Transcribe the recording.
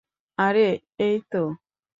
আরে এই তো!